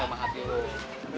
pasti yakin lah